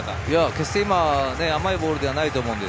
決して今、甘いボールではないです。